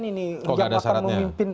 kok tidak ada syaratnya